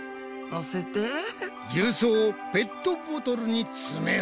重曹をペットボトルに詰める。